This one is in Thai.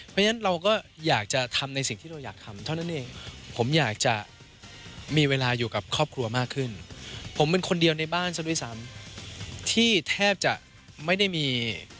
ฟังเจ้าตัวเคลียร์ให้ฟังแบบชัดเลยค่ะ